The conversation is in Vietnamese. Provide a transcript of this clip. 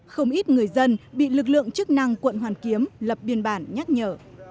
không ít người dân bị lực lượng chức năng quận hoàn kiếm lập biên bản nhắc nhở